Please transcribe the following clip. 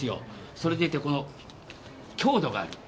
それでいてこの強度がある。